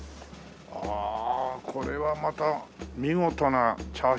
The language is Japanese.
ああこれはまた見事なチャーシュー麺。